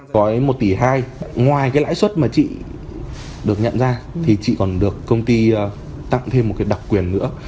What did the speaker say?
gói một tỷ hai ngoài cái lãi suất mà chị được nhận ra thì chị còn được công ty tặng thêm một cái đặc quyền nữa